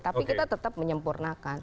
tapi kita tetap menyempurnakan